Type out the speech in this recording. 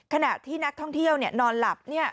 ขณะที่นักท่องเที่ยวนอนหลับ